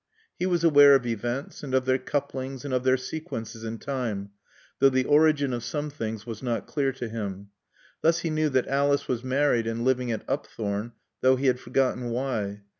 He was aware of events and of their couplings and of their sequences in time, though the origin of some things was not clear to him. Thus he knew that Alice was married and living at Upthorne, though he had forgotten why.